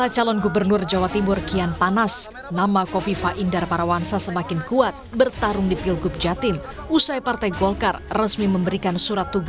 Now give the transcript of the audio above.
mohon doa semua kami bisa memenangkan proses pemilihan gubernur jawa timur pada bulan november yang akan datang